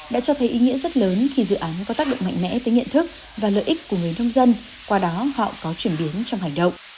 đã cho thấy ý nghĩa rất lớn khi dự án có tác động mạnh mẽ tới nghiện thức và lợi ích của người nông dân qua đó họ có chuyển biến trong hành động